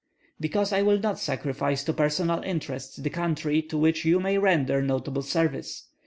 "Because I will not sacrifice to personal interests the country, to which you may render notable service.